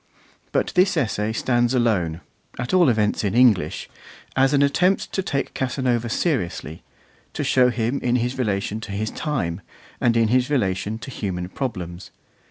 But this essay stands alone, at all events in English, as an attempt to take Casanova seriously, to show him in his relation to his time, and in his relation to human problems.